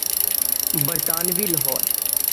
برطانوی لاہور۔